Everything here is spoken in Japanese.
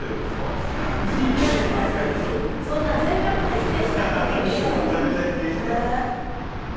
そんな全力で否定しなくていいですよ。